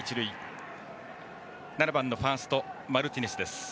打席は７番のファーストマルティネス。